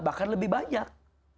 bahkan lebih banyak